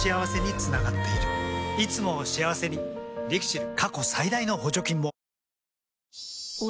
いつもを幸せにＬＩＸＩＬ。